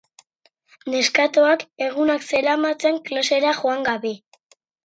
Neskatoak egunak zeramatzan klasera joan gabe.